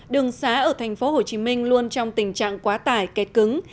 đường xá ở thành phố hồ chí minh luôn trong tình trạng quá tải kẹt cứng